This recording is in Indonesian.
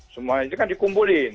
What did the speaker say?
semua itu kan dikumpulin